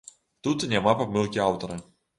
Тут няма памылкі аўтара.